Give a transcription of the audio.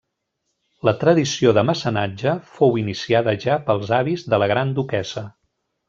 La tradició de mecenatge fou iniciada ja pels avis de la gran duquessa.